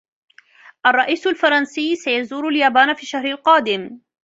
الرئيس الفرنسي سيزور اليابان في الشهر القادم.